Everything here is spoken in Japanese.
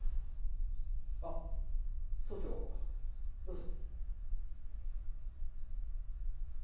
あ総長どうぞ。